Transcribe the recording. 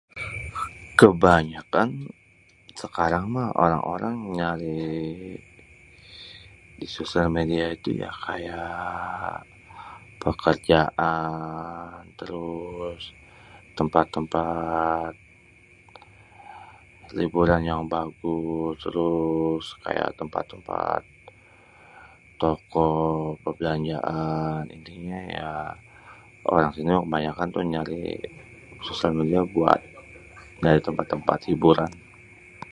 Kebanyakan sekarang mah orang-orang nyari di sosial media itu kayak pekerjaan, terus tempat-tempat liburan yang bagus, terus kayak tempat-tempat toko perbelanjaan. Intinya ya orang sini mah kebanyakan nyari sosial media buat tempat-tempat hiburan.